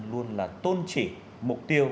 luôn là tôn trị mục tiêu